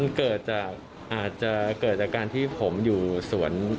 มันเกิดจากอาจจะเกิดจากการที่ผมอยู่สวน